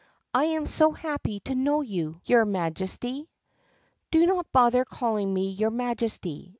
I am so happy to know you, your Majesty!" "Do not bother calling me 'your Majesty.